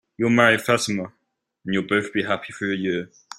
You'll marry Fatima, and you'll both be happy for a year.